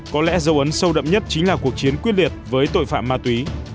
có lẽ dấu ấn sâu đậm nhất chính là cuộc chiến quyết liệt với tội phạm ma túy